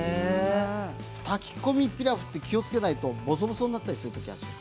炊き込みピラフは気をつけないとぼそぼそになってしまう場合がある。